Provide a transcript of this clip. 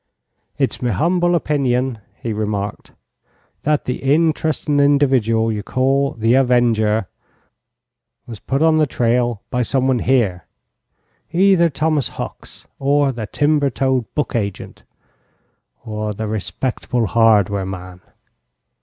"It's me humble opinion," he remarked, "that the interesting individual you call the 'avenger' was put on the trail by someone here either Thomas Hucks, or the timber toed book agent, or the respectable hardware man.